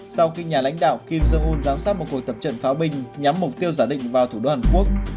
sau khi nhà lãnh đạo kim jong un giám sát một cuộc tập trận pháo binh nhắm mục tiêu giả định vào thủ đô hàn quốc